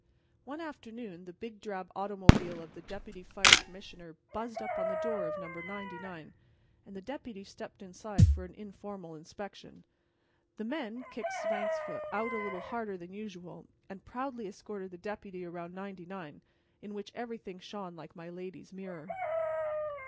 One afternoon the big drab automobile of the Deputy Fire Commissioner buzzed up to the door of No. 99 and the Deputy stepped inside for an informal inspection. The men kicked Svangvsk out a little harder than usual and proudly escorted the Deputy around 99, in which everything shone like my lady's mirror.